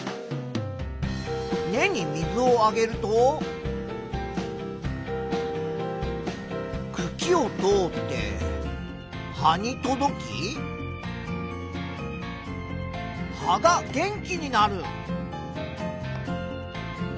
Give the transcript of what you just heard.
根に水をあげるとくきを通って葉に届き葉が元気になる。